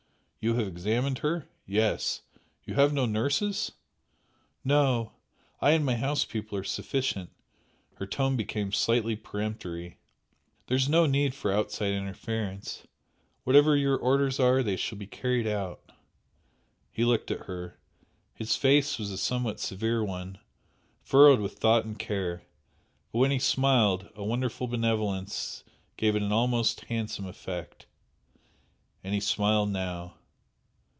"You have examined her?" "Yes." "You have no nurses?" "No. I and my house people are sufficient." Her tone became slightly peremptory. "There is no need for outside interference. Whatever your orders are, they shall be carried out." He looked at her. His face was a somewhat severe one, furrowed with thought and care, but when he smiled, a wonderful benevolence gave it an almost handsome effect. And he smiled now.